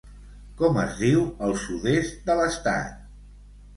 Com es diu al sud-est de l'estat?